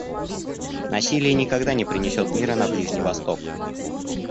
Насилие никогда не принесет мира на Ближний Восток.